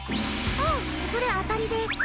あっそれ当たりです。